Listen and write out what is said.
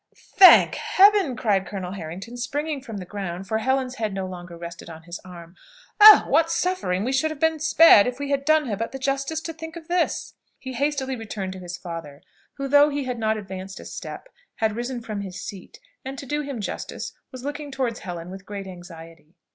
"Thank Heaven!" cried Colonel Harrington, springing from the ground, for Helen's head no longer rested on his arm. "Oh! what suffering should we have been spared, if we had done her but the justice to think of this!" He hastily returned to his father, who, though he had not advanced a step, had risen from his seat, and, to do him justice, was looking towards Helen with great anxiety.